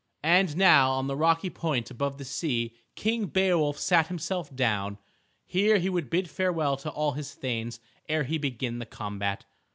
And now on the rocky point above the sea King Beowulf sat himself down. Here he would bid farewell to all his thanes ere he began the combat.